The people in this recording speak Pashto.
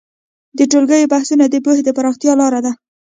د ټولګیو بحثونه د پوهې د پراخېدو لاره ده.